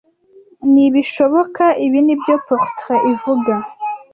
Nibishoboka. Ibi nibyo portrait ivuga.